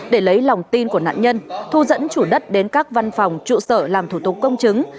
để lấy lòng tin của nạn nhân thu dẫn chủ đất đến các văn phòng trụ sở làm thủ tục công chứng